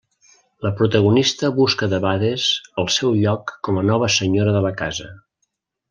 La protagonista busca debades el seu lloc com a nova senyora de la casa.